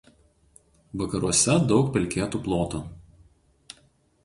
Vakaruose daug pelkėtų plotų.